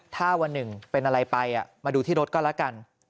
ถ้าวันหนึ่งเป็นอะไรไปมาดูที่รถก็แล้วกัน